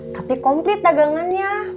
tapi komplit dagangannya